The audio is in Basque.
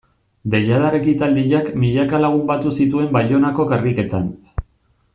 Deiadar ekitaldiak milaka lagun batu zituen Baionako karriketan.